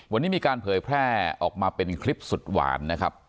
วันนี้มีการเผยแพร่ออกมาเป็นคลิปสุดหวานนะครับ